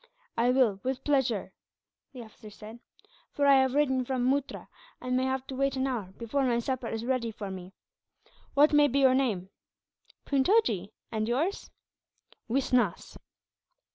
"I will, with pleasure," the officer said, "for I have ridden from Muttra, and may have to wait an hour before my supper is ready for me. What may be your name?" "Puntojee. And yours?" "Wisnas."